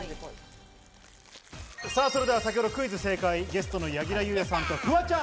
それではクイズ正解、ゲストの柳楽優弥さんとフワちゃん。